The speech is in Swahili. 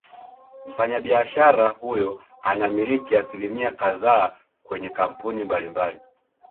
Mfanyabiashara huyo anamiliki asilimia kadhaa kwenye kampuni mbali mbali